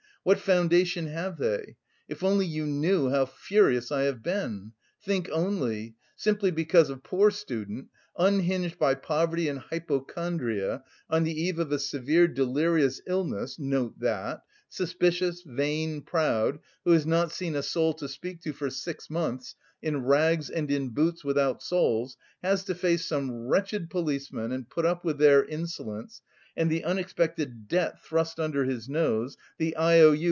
What foundation have they? If only you knew how furious I have been. Think only! Simply because a poor student, unhinged by poverty and hypochondria, on the eve of a severe delirious illness (note that), suspicious, vain, proud, who has not seen a soul to speak to for six months, in rags and in boots without soles, has to face some wretched policemen and put up with their insolence; and the unexpected debt thrust under his nose, the I.O.